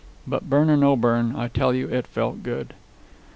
But burn or no burn, I tell you it felt good.